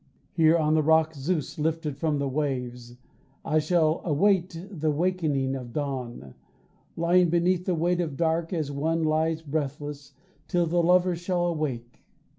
Here on the rock Zeus lifted from the waves, I shall await the waking of the dawn, Lying beneath the weight of dark as one Lies breathless, till the lover shall awake.